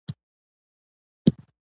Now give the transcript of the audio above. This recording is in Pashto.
که موږ خپله ژبه وساتو، نو کلتور به نه مري.